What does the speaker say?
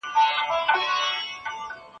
ډاکټر کله زموږ پاڼه وړاندي کړه؟